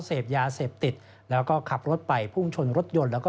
เสพยาเสพติดแล้วก็ขับรถไปพุ่งชนรถยนต์แล้วก็